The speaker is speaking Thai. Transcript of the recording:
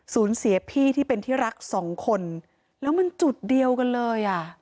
เสียพี่ที่เป็นที่รักสองคนแล้วมันจุดเดียวกันเลยอ่ะ